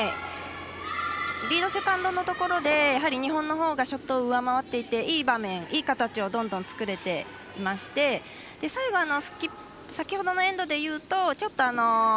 リード、セカンドのところで、やはり日本のほうがショットを上回っていていい場面、いい形をどんどん作れていまして最後先ほどのエンドでいうと。